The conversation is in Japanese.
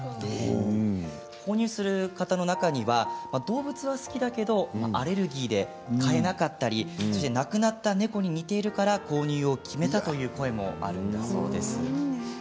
購入する方の中には動物は好きだけどアレルギーで飼えなかったり亡くなった猫に似ているから購入を決めたという声もあるんだそうです。